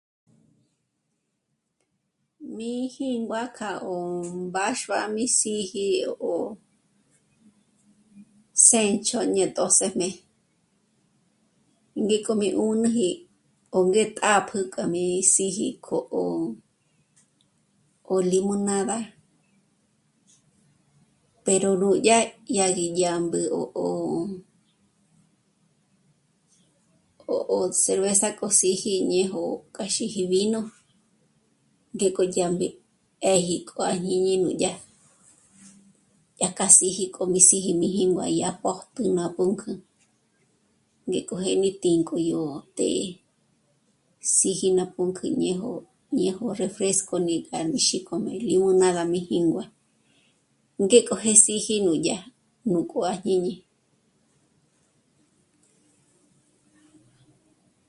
Mí jíngua kja 'ó mbáxua mí sîji 'ó, 'ó sénch'o ñé tjö́sëjme ngéko mí 'ùnïji 'ó ngé tàpjü k'a mí síji k'o 'ó... ó limonada pero nù'dyá dyà gí dyàmbü 'ó, 'ó, 'ó, 'ó, cerveza k'o s'îji ñéjo k'a xîji vino ngéko dyámbi 'ë̀ji k'u á jñini kja nújdyà... dyàjka s'îji k'o mí s'îji nínguà'a dyà pójtü ná pǔnk'ü ngéko jé' mi tínk'o yó té, s'îji ná pǔnk'ü ñejo... ñéjo refresco mí k'a rí xíkjo 'ùngá m'a ní jíngue. Ngéko ngé s'îji nùdyá nú kjú'u à jñíni